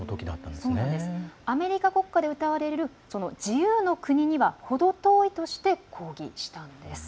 アメリカ国歌で歌われる自由の国には程遠いとして抗議したんです。